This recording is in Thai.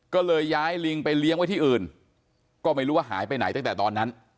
ก็เลยย้ายลิงไปเลี้ยงไว้ที่อื่นก็ไม่รู้ว่าหายไปไหนตั้งแต่ตอนนั้น